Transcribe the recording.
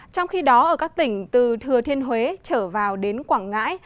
trong khi đó ở các tỉnh từ thừa thiên huế trở vào đến quảng ngãi